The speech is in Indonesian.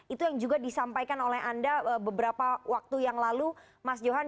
itu yang juga disampaikan oleh anda beberapa waktu yang lalu mas johan